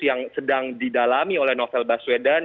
yang sedang didalami oleh novel baswedan